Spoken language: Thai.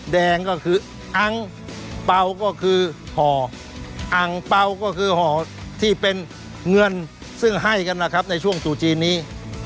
แดงก็คืออังเปล่าก็คือห่ออังเปล่าก็คือห่อที่เป็นเงินซึ่งให้กันนะครับในช่วงตู่จีนนี้